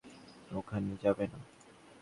ওখানে যাবে না।